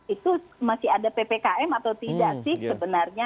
itu masih ada ppkm atau tidak sih sebenarnya